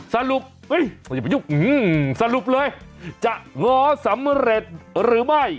สรุปสรุปเลยจะง้อสำเร็จหรือไม่